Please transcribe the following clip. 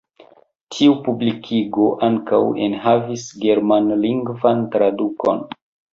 Tiu publikigo ankaŭ enhavis germanlingvan tradukon.